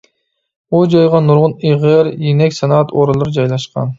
ئۇ جايغا نۇرغۇن ئېغىر، يېنىك سانائەت ئورۇنلىرى جايلاشقان.